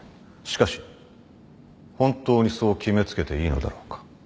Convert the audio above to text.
しかし本当にそう決め付けていいのだろうか？